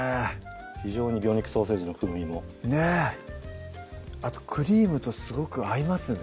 非常に魚肉ソーセージの風味もねっあとクリームとすごく合いますね